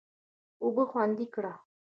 اوبه خوندي کړه.